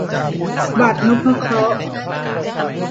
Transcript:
บัตรนพเคราะห์